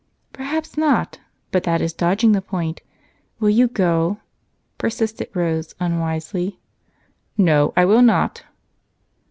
"Perhaps not, but that is dodging the point. Will you go?" persisted Rose unwisely. "No, I will not."